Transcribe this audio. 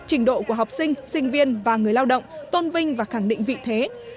trình độ của học sinh sinh viên và người lao động tôn vinh và khẳng định vị thế